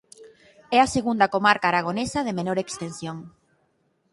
É a segunda comarca aragonesa de menor extensión.